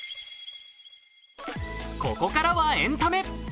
ここからはエンタメ。